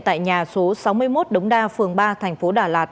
tại nhà số sáu mươi một đống đa phường ba tp đà lạt